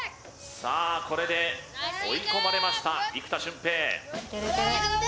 さあこれで追い込まれました生田俊平打てる！